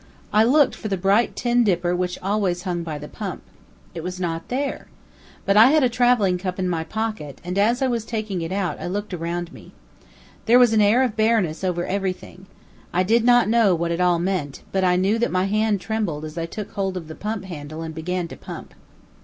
I looked for the bright tin dipper which always hung by the pump. It was not there. But I had a traveling cup in my pocket, and as I was taking it out I looked around me. There was an air of bareness over everything. I did not know what it all meant, but I know that my hand trembled as I took hold of the pump handle and began to pump.